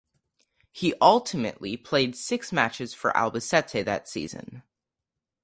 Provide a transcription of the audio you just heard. He ultimately played six matches for Albacete that season.